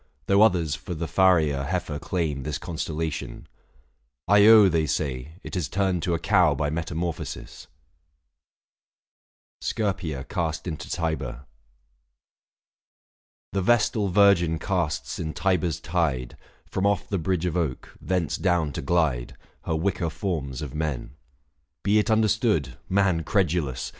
Though others for the Pharian heifer claim This constellation ; Io, they say, it is Turned to a cow by metamorphosis. 166 THE FASTI. Book V. SCIRPEA CAST INTO TIBER. The vestal virgin casts in Tiber's tide, 705 From off the bridge of oak, thence down to glide, Her wicker forms of men. Be it understood, Man credulous